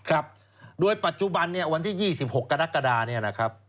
ครับโดยปัจจุบันวันที่๒๖กรกฎานะครับ